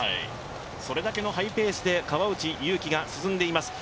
それだけのハイペースで川内優輝が進んでいます。